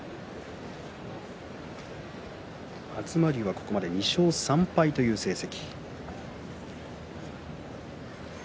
東龍はここまで２勝３敗という成績。